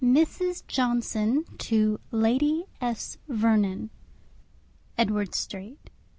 IX Mrs. Johnson to Lady S. Vernon. Edward Street.